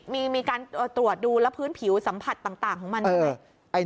มีการตรวจดูแล้วพื้นผิวสัมผัสต่างของมันใช่ไหม